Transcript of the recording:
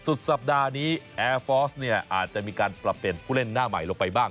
สุดสัปดาห์นี้แอร์ฟอร์สเนี่ยอาจจะมีการปรับเปลี่ยนผู้เล่นหน้าใหม่ลงไปบ้าง